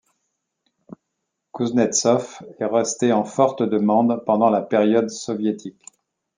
Kouznetsov est resté en forte demande pendant la période soviétique.